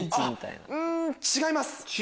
うん違います。